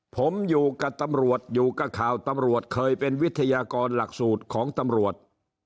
ผมอยู่กับตำรวจอยู่กับข่าวตำรวจเคยเป็นวิทยากรหลักสูตรของตำรวจ